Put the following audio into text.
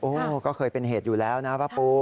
โอ้ก็เคยเป็นเหตุอยู่แล้วนะพระอบปู